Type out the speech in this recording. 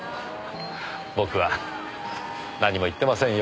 僕は何も言ってませんよ。